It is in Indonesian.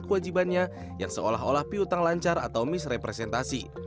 kewajibannya yang seolah olah piutang lancar atau misrepresentasi